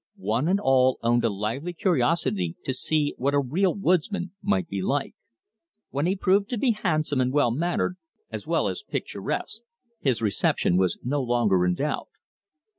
One and all owned a lively curiosity to see what a real woodsman might be like. When he proved to be handsome and well mannered, as well as picturesque, his reception was no longer in doubt.